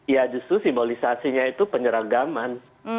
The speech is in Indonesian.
ya justru simbolisasinya itu penyeragaman